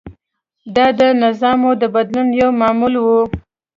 دا د نظامونو د بدلون یو معمول و.